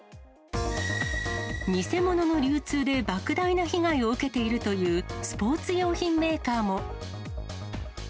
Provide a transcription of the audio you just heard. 偽物の流通で、ばく大な被害を受けているというスポーツ用品メーカーも。